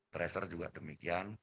tracer juga demikian